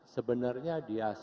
sebenarnya di asia